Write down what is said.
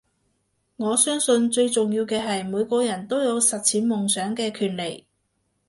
我相信最重要嘅係每個人都有實踐夢想嘅權利